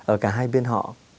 ở cả hai biên họ